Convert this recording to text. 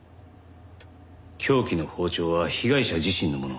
凶器の包丁は被害者自身のもの。